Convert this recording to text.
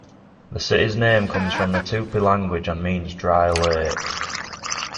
The city's name comes from the Tupi language and means "dry lake".